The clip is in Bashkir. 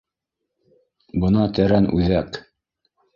Бына тәрән үҙәк.